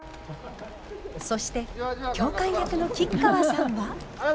そして教官役の吉川さんは。